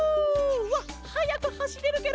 うわっはやくはしれるケロ！